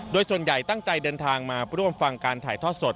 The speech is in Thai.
โดยส่วนใหญ่ตั้งใจเดินทางมาร่วมฟังการถ่ายทอดสด